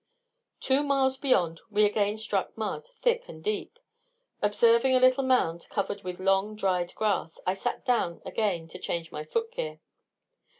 Two miles beyond we again struck mud, thick and deep. Observing a little mound covered with long dried grass, I sat down again to change my footgear.